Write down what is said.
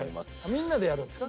みんなでやるんですか？